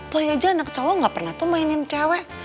boy aja anak cowok nggak pernah tuh mainin cewek